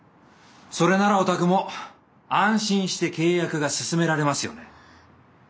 それならおたくも安心して契約が進められますよね？